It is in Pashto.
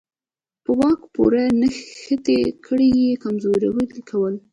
په واک پورې نښتې کړۍ یې کمزورې کولې.